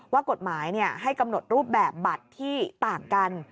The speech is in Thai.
ว่ากฎหมายให้กำหนดรูปแบบบัตรที่ต่างกัน